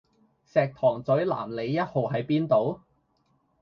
石塘嘴南里壹號喺邊度？